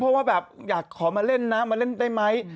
เพราะว่าแบบอยากขอมาเล่นนะมาเล่นได้ไหม